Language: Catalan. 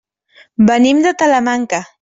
Venim de Talamanca.